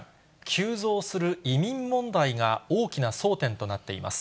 急増する移民問題が大きな争点となっています。